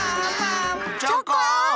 チョコン！